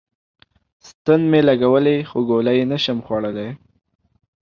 ستن می لګولی خو ګولی نسم خوړلای